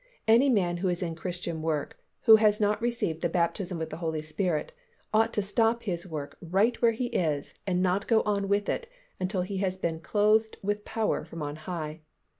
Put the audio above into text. Any man who is in Christian work, who has not received the baptism with the Holy Spirit, ought to stop his work right where he is and not go on with it until he has been "clothed with power from on high."